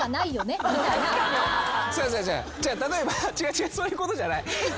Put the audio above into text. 違う例えば違う違うそういうことじゃない。